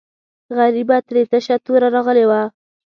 غریبه ترې تشه توره راغلې وه.